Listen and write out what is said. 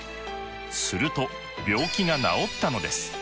すると病気が治ったのです。